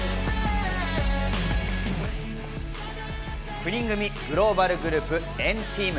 ９人組グローバルグループ、＆ＴＥＡＭ。